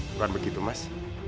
bukan begitu mas